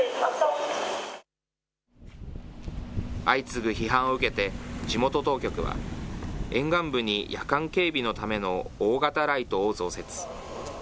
相次ぐ批判を受けて、地元当局は、沿岸部に夜間警備のための大型ライトを増設。